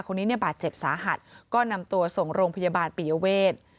คนนี้เนี่ยบาดเจ็บสาหัสก็นำตัวส่งโรงพยาบาลปิยเวท